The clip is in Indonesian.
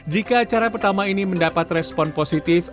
jika acara pertama ini mendapat respon positif